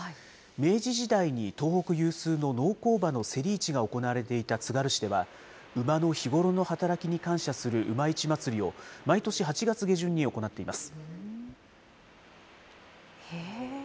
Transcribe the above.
明治時代に東北有数の農耕馬の競り市が行われていたつがる市では馬の日頃の働きに感謝する馬市まつりを、毎年８月下旬に行っています。